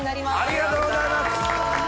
ありがとうございます！